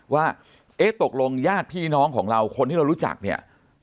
ว่าเอ๊ะตกลงญาติพี่น้องของเราคนที่เรารู้จักเนี่ย